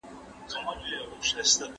دا واقعیتونه د فرد له مړینې وروسته نه ختمیږي.